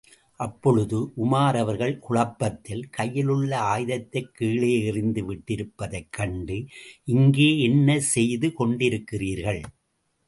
அப்பொழுது உமர் அவர்கள் குழப்பத்தில், கையிலுள்ள ஆயுதத்தைக் கீழே எறிந்து விட்டிருப்பதைக் கண்டு, இங்கே என்ன செய்து கொண்டிருக்கிறீர்கள்?